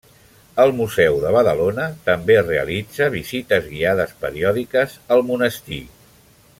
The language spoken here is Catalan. El Museu de Badalona també realitza visites guiades periòdiques al monestir.